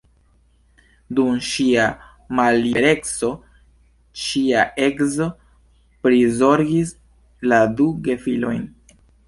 Dum ŝia mallibereco ŝia edzo prizorgis la du gefilojn.